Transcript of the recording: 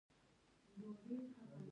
چې روسي نوم ئې Bratstvoدے